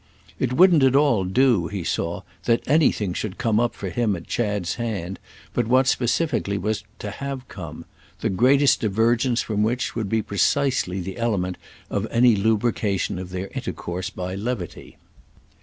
It wouldn't at all do, he saw, that anything should come up for him at Chad's hand but what specifically was to have come; the greatest divergence from which would be precisely the element of any lubrication of their intercourse by levity.